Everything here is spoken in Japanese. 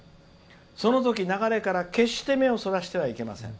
そのとき流れから決して目をそらしてはいけません」。